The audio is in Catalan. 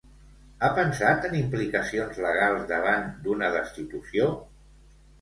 Ha pensat en implicacions legals davant d'una destitució?